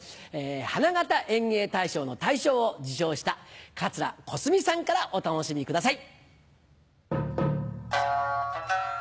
花形演芸大賞の大賞を受賞した桂小すみさんからお楽しみください。